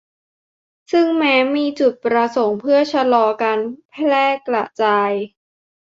ซึ่งแม้มีจุดประสงค์เพื่อชะลอการแพร่กระจาย